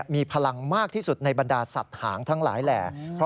มีพลังมากที่สุดในบรรดาสัตว์หางทั้งหลายแหล่